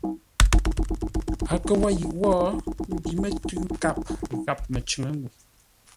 A kə wo yʉʼ wó ḿbí mətʉ̌ nkâp gháp məcʉŋʉ́ ngô.